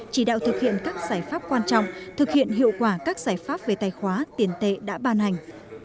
chỉ đạo thực hiện các giải pháp quan trọng thực hiện hiệu quả các giải pháp về tài khoá tiền tệ đã ban hành